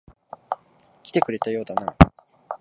来てくれたようだな。